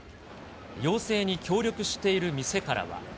要請に協力している店からは。